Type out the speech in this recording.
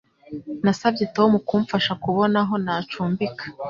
Nasabye Tom kumfasha kubona aho nacumbika.